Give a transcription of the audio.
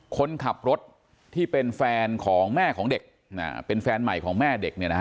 คนขับรถที่เป็นแฟนของแม่ของเด็กเป็นแฟนใหม่ของแม่เด็ก